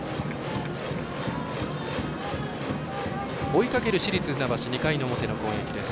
追いかける市立船橋２回の表の攻撃です。